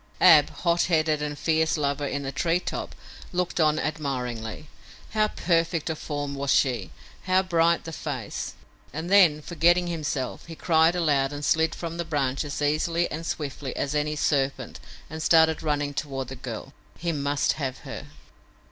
Ab, hot headed and fierce lover in the tree top, looked on admiringly. How perfect of form was she; how bright the face! and then, forgetting himself, he cried aloud and slid from the branch as easily and swiftly as any serpent and started running toward the girl. He must have her!